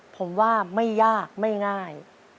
ผมว่าไม่ยากไม่ง่าย